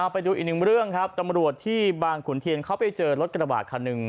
ไปดูอีกหนึ่งเรื่องครับตำรวจที่บางขุนเทียนเขาไปเจอรถกระบาดคันหนึ่ง